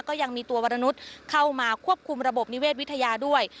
ก็ยังมีตัววรนุษย์เข้ามาควบคุมระบบนิเวศวิทยาด้วย